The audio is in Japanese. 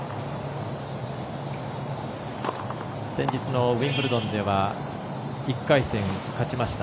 先日のウィンブルドンでは１回戦、勝ちました。